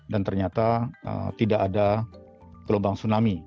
dan ternyata tidak ada gelombang tsunami